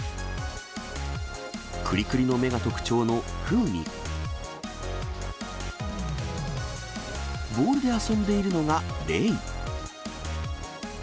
くりくりの目が特徴のフウに、ボールで遊んでいるのがレイ。